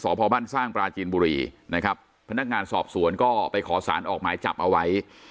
สหพบันสร้างปลาจีนบุรีพนักงานสอบสวนก็ไปขอสารออกหมายจับเอาไว้